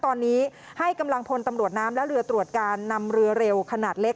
ตอนนี้ให้กำลังพลตำรวจน้ำและเรือตรวจการนำเรือเร็วขนาดเล็ก